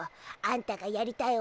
あんたがやりたい